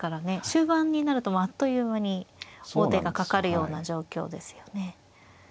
終盤になるとあっという間に王手がかかるような状況ですよね。